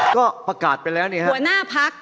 ก็ปรากฏไปแล้วเนี่ยครับ